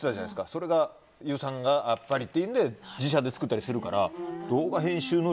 それが予算がやっぱりというので自社で作ったりするから。